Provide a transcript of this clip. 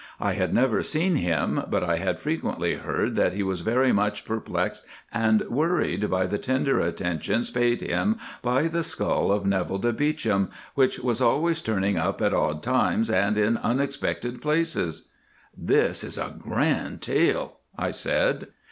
I had never seen him, but I had frequently heard that he was very much perplexed and worried by the tender attentions paid him by the skull of Neville de Beauchamp, which was always turning up at odd times and in unexpected places." "This is a grand tale," I said.